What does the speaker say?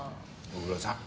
ご苦労さん。